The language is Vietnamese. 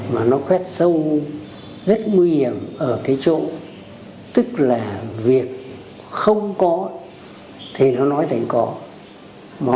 mà nó khoét sâu rất nguy hiểm ở cái chỗ tức là việc không có thì nó nói thành có